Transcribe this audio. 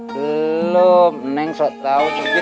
belum neng suka tahu cuci